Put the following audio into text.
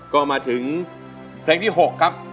ก็มาถึงเพลงที่๖ครับ